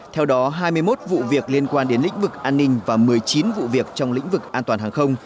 theo đó hai mươi một vụ liên quan đến lĩnh vực an ninh và một mươi chín vụ liên quan đến lĩnh vực an toàn hàng không